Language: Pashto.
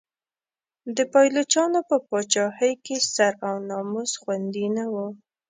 د پایلوچانو په پاچاهۍ کې سر او ناموس خوندي نه و.